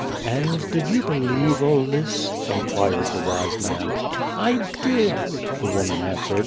' "And did you believe all this?" inquired the wise man. " I did," the woman answered.